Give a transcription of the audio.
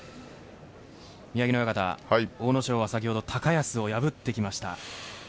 宮城野親方、阿武咲は先ほど高安を破ってきました。